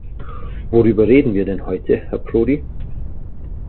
Worüber reden wir denn heute, Herr Prodi?